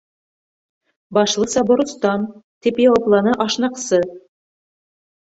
—Башлыса, боростан, —тип яуапланы ашнаҡсы.